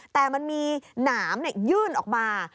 แต่มันมีหนามยื่นออกมา